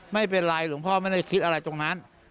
ไม่เป็นไรหลวงพ่อไม่ได้คิดอะไรตรงนั้น